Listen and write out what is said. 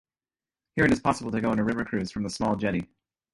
Here, it is possible to go on a river cruise from the small jetty.